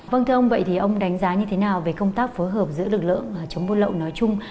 vâng thưa ông vậy thì ông đánh giá như thế nào về công tác phối hợp giữa lực lượng chống buôn lậu nói chung